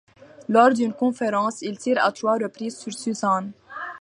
Lors d'une conférence, il tire à trois reprises sur Susanne.